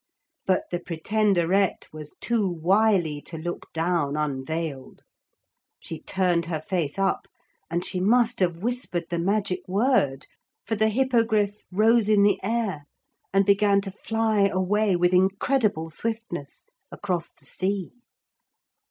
But the Pretenderette was too wily to look down unveiled. She turned her face up, and she must have whispered the magic word, for the Hippogriff rose in the air and began to fly away with incredible swiftness across the sea.